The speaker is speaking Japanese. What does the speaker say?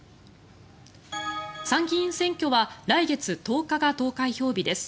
参議院選挙は来月１０日が投開票日です。